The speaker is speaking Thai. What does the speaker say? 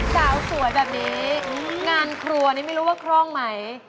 สาวสวยแบบนี้งานครัวนี่ไม่รู้ว่าคล่องไหม